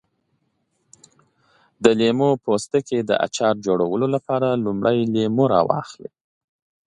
د لیمو پوټکي اچار جوړولو لپاره لومړی لیمو راواخلئ.